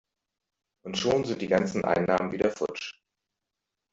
Und schon sind die ganzen Einnahmen wieder futsch!